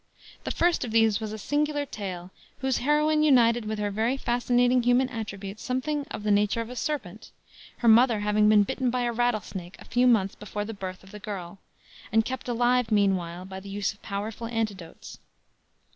The first of these was a singular tale, whose heroine united with her very fascinating human attributes something of the nature of a serpent; her mother having been bitten by a rattlesnake a few months before the birth of the girl, and kept alive meanwhile by the use of powerful antidotes.